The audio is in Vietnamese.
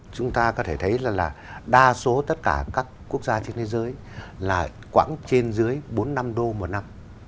chúng ta có thể thấy là đa số tất cả các quốc gia trên thế giới là khoảng trên dưới bốn năm đô một năm